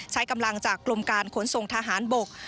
ใช้กำลังจากกรมการขนส่งทหารบก